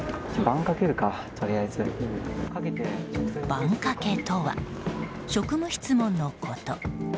バンかけとは職務質問のこと。